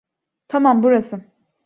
Tamam, burası.